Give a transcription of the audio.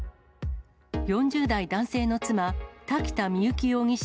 ４０代男性の妻、滝田深雪容疑者